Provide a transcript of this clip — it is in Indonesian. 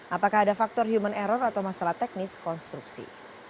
apakah ada faktor human error atau masalah teknis konstruksi